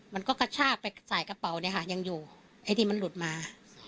มันก็กระชากไปใส่กระเป๋าเนี่ยค่ะยังอยู่ไอ้ที่มันหลุดมา